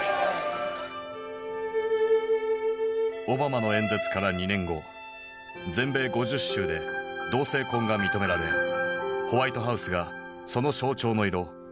オバマの演説から２年後全米５０州で同性婚が認められホワイトハウスがその象徴の色